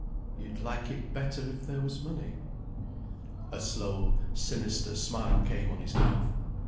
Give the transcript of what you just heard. "You'd like it better if there was money." A slow, sinister smile came on his mouth.